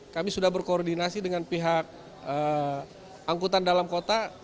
kami sudah berkoordinasi dengan pihak angkutan dalam kota